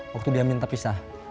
waktu dia minta pisah